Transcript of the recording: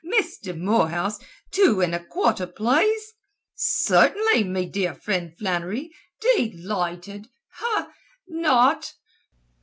'Misther Morehouse, two an' a quarter, plaze.' 'Cert'nly, me dear frind Flannery. Delighted!' Not!"